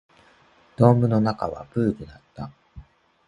ドームの中はプールだった